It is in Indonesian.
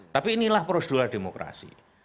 tapi inilah prosedural demokrasi